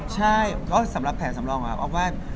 ใช่ก็สำหรับแผนสำรองครับ